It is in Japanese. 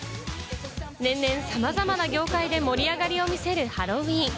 年々、さまざまな業界で盛り上がりを見せるハロウィーン。